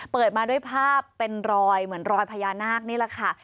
เปิดมาด้วยภาพเป็นรอยเหมือนรอยพญานาคนี่แหละค่ะ